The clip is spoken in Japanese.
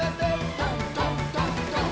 「どんどんどんどん」